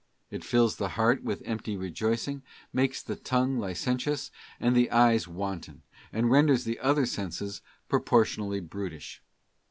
It fills the heart with empty rejoicing, makes the tongue licéntious, and the eyes wanton, and renders the other senses proportionally brutish.